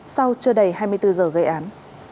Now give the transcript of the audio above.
sau chưa đầy hai mươi bốn giờ gây án